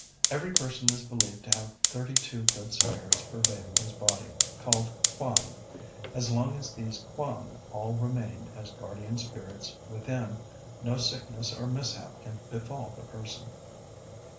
Every person is believed to have thirty two good spirits pervading his body, called kwan. As long as these kwan all remain as guardian spirits within, no sickness or mishap can befall the person.